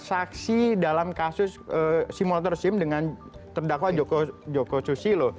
saksi dalam kasus simulator sim dengan terdakwa joko susilo